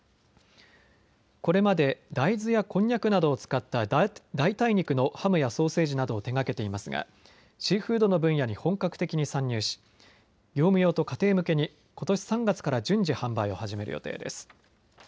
これまで大豆やこんにゃくなどを使った代替肉のハムやソーセージなどを手がけていますがシーフードの分野に本格的に参入し業務用と家庭向けにことし３月から順次、販売を始める予定です。